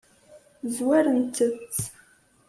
Zwarent-tt?